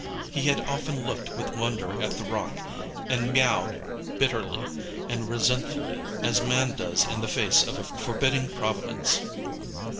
He had often looked with wonder at the rock, and miauled bitterly and resentfully as man does in the face of a forbidding Providence.